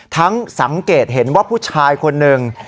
สังเกตเห็นว่าผู้ชายคนหนึ่ง